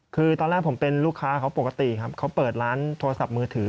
คือตอนแรกผมเป็นลูกค้าเขาปกติครับเขาเปิดร้านโทรศัพท์มือถือ